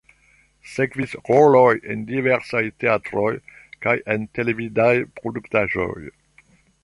Sekvis roloj en diversaj teatroj kaj en televidaj produktaĵoj.